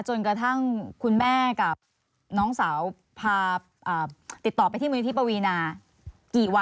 จนกระทั่งคุณแม่กับน้องสาวพาติดต่อไปที่มูลนิธิปวีนากี่วัน